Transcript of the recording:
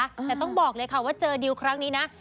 แต่ต้องบอกเลยค่ะว่าเจอดิวครั้งนี้นะ